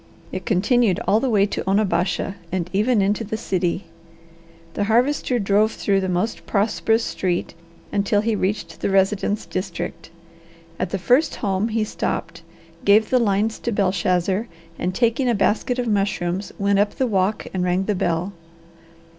It continued all the way to Onabasha and even into the city. The Harvester drove through the most prosperous street until he reached the residence district. At the first home he stopped, gave the lines to Belshazzar, and, taking a basket of mushrooms, went up the walk and rang the bell.